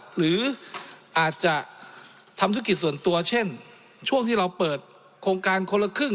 หรืออาจจะทำธุรกิจส่วนตัวเช่นช่วงที่เราเปิดโครงการคนละครึ่ง